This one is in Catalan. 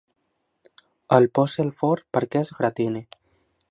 El posi al forn perquè es gratini.